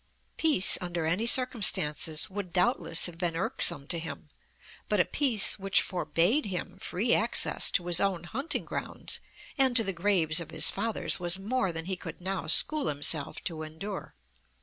Peace under any circumstances would doubtless have been irksome to him, but a peace which forbade him free access to his own hunting grounds and to the graves of his fathers was more than he could now school himself to endure.